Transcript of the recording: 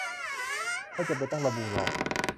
ไม่จำเป็นต้องระบุหรอก